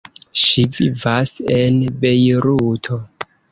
Ŝi vivas en Bejruto.